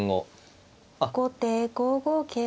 後手５五桂馬。